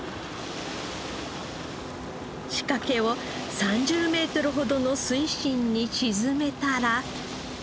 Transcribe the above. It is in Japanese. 仕掛けを３０メートルほどの水深に沈めたら。